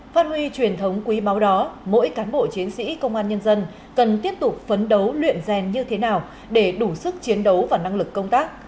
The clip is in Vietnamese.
phát huy truyền thống quý báu đó mỗi cán bộ chiến sĩ công an nhân dân cần tiếp tục phấn đấu luyện rèn như thế nào để đủ sức chiến đấu và năng lực công tác